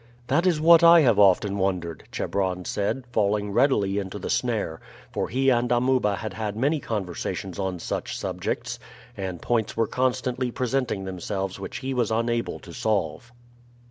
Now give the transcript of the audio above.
"That is what I have often wondered," Chebron said, falling readily into the snare, for he and Amuba had had many conversations on such subjects, and points were constantly presenting themselves which he was unable to solve.